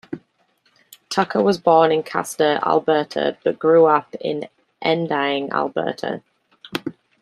Tucker was born in Castor, Alberta, but grew up in Endiang, Alberta.